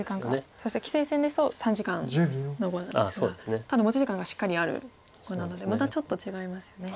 そして棋聖戦ですと３時間の碁なんですがただ持ち時間がしっかりある碁なのでまたちょっと違いますよね。